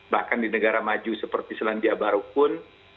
bahkan di negara maju seperti selandia baru pun